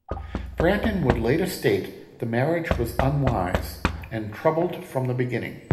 Branden would later state the marriage was unwise, and troubled from the beginning.